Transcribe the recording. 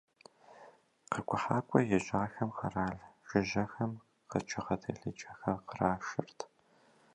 Къэкӏухьакӏуэ ежьэхэм къэрал жыжьэхэм къэкӏыгъэ телъыджэхэр кърашырт.